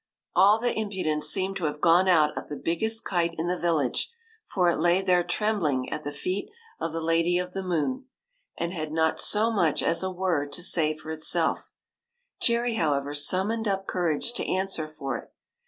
All the impudence seemed to have gone out of the biggest kite in the village, for it lay there trembling at the feet of the Lady of the 1 84 THE KITE THAT Moon, and had not so much as a word to say for itself. Jerry, however, summoned up cour age to answer for it.